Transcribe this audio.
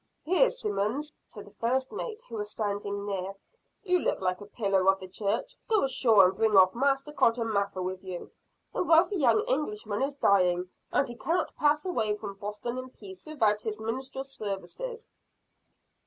"Here, Simmons," to the first mate, who was standing near, "you look like a pillar of the church, go ashore and bring off Master Cotton Mather with you. A wealthy young Englishman is dying and he cannot pass away from Boston in peace without his ministerial services."